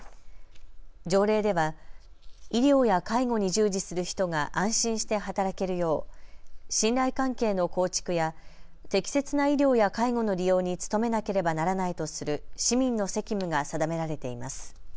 条例では医療や介護に従事する人が安心して働けるよう信頼関係の構築や適切な医療や介護の利用に努めなければならないとする市民の責務が定められています。